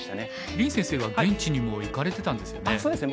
林先生は現地にも行かれてたんですよね？